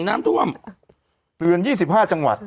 ได้ค่ะพอจ๊ะโดย